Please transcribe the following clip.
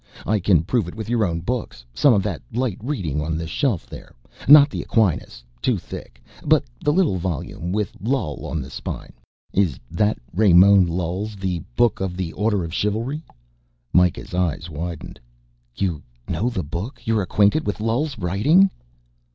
"I can prove it with your own books, some of that light reading on the shelf there. Not the Aquinas too thick. But the little volume with Lull on the spine. Is that Ramon Lull's 'The Booke of the Ordre of Chyualry'?" Mikah's eyes widened. "You know the book? You're acquainted with Lull's writing?"